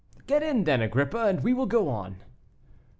"Get in then, Agrippa, and we will go on."